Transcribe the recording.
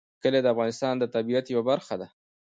کلي د افغانستان د طبیعت یوه برخه ده.